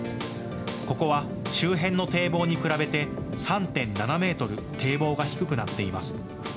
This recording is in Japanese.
ここは周辺の堤防に比べて３．７ｍ堤防が低くなっています。